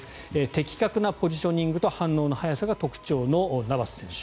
的確なポジショニングと反応の速さが特徴のナバス選手。